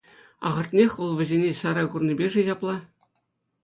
Ахӑртнех, вӑл вӗсене сайра курнипе-ши ҫапла.